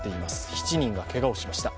７人がけがをしました。